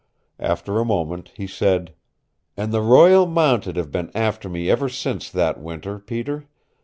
After a moment he said, "And the Royal Mounted have been after me ever since that winter, Peter.